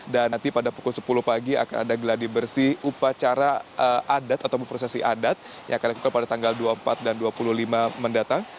dan nanti pada pukul sepuluh pagi akan ada geladi bersih upacara adat atau prosesi adat yang akan dilakukan pada tanggal dua puluh empat dan dua puluh lima mendatang